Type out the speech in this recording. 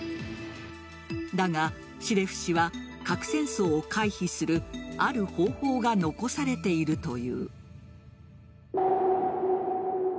だが、シレフ氏は核戦争を回避するある方法が残されているという。